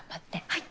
はい。